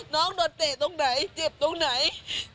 น้องโดนเตะตรงไหนเจ็บตรงไหน